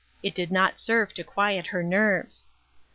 It did not serve to quiet her nerves.